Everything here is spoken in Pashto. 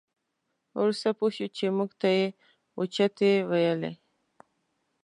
وروسته پوه شوو چې موږ ته یې اوچتې ویلې.